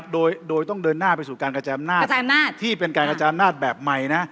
โดยต้องเดินหน้าไปสู่การกระจายอำนาจที่เป็นการกระจายอำนาจแบบใหม่นะ